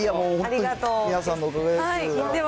本当に皆さんのおかげです。